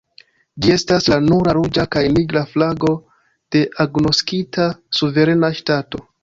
Ĝi estas la nura ruĝa kaj nigra flago de agnoskita suverena ŝtato.